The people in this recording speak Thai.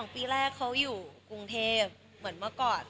ปีแรกเขาอยู่กรุงเทพเหมือนเมื่อก่อน